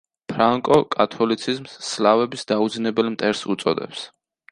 ფრანკო კათოლიციზმს „სლავების დაუძინებელ მტერს“ უწოდებს.